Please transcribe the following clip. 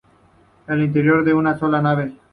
El interior es de una sola nave.